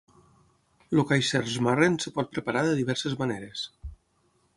El kaiserschmarren es pot preparar de diverses maneres.